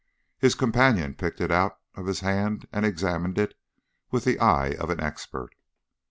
His companion picked it out of his hand and examined it with the eye of an expert.